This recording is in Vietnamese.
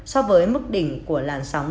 so với mức đỉnh của làn sóng